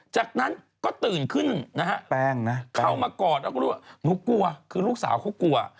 จากนั้นก็ตื่นขึ้นนะฮะแป้งนะเข้ามากอดแล้วก็รู้ว่าหนูกลัวคือลูกสาวเขากลัว